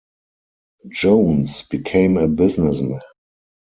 Jones became a businessman.